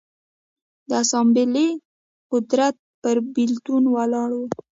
د اسامبلې قدرت پر بېلتون ولاړ و